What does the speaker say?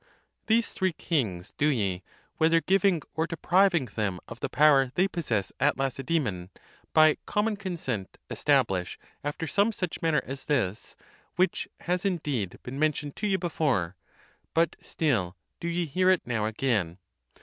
These three kings do ye, whether giving or depriving them of the power they possess at Lacedamon, by common con sent establish after some such manner as this, which has in deed been mentioned to you before; but still do ye hear it now again.